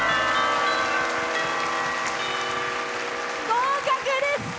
合格です！